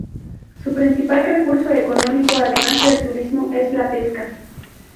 Su principal recurso económico, además del turismo, es la pesca.